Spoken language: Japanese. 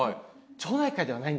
町内会ではない。